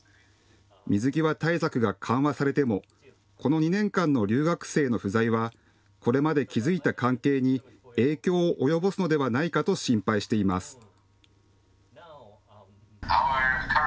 水際対策が緩和されてもこの２年間の留学生の不在はこれまで築いた関係に影響を及ぼすのではないかと心配しています。